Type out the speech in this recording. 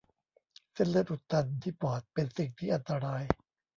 เส้นเลือดอุดตันที่ปอดเป็นสิ่งที่อันตราย